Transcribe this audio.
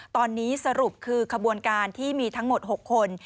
ตอนนี้สรุปคือขบวนการที่มีทั้งหมด๖คน